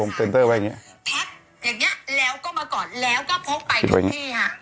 ผมพิ้นตัวอะไรแบบนี้